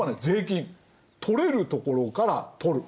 取れるところから取る。